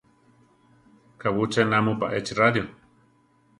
¿Kabú ché namúpa échi radio?